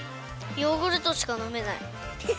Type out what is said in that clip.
ヨーグルトしかのめない。